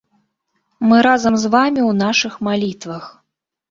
Мы разам з вамі ў нашых малітвах!